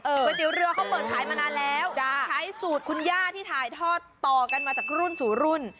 ก๋วยเตี๋ยวเรือเขาเปิดขายมานานแล้วใช้สูตรคุณย่าที่ถ่ายทอดต่อกันมาจากรุ่นสู่รุ่น